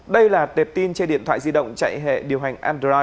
đây là tệp tin trên điện thoại di động chạy hệ điều hóa